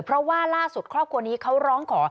เพราะว่าล่าสุดครอบครัวนี้เขาร้องขอ